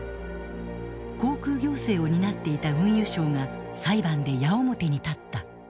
航空行政を担っていた運輸省が裁判で矢面に立った。